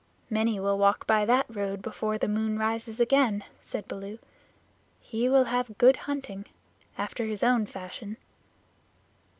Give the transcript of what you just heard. "Many will walk by that road before the moon rises again," said Baloo. "He will have good hunting after his own fashion."